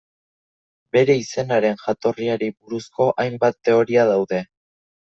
Bere izenaren jatorriari buruzko hainbat teoria daude.